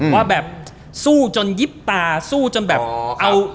ว่าแบบสู้จนยิบตา